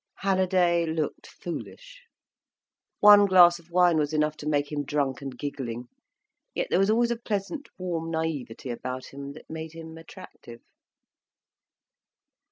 Halliday looked foolish. One glass of wine was enough to make him drunk and giggling. Yet there was always a pleasant, warm naïveté about him, that made him attractive.